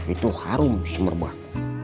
itu harum semerbat